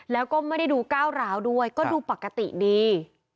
แล้วก็ไม่ได้ดูก้าวร้าวด้วยก็ดูปกติดี